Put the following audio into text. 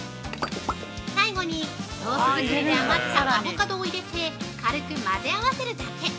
◆最後にソース作りで余ったアボカドを入れて軽く混ぜ合わせるだけ！